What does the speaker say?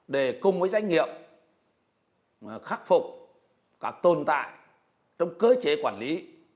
để cùng với doanh nghiệp khắc phục các tồn tại trong cơ chế quản lý